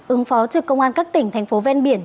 ứng phó trực công an các tỉnh thành phố ven biển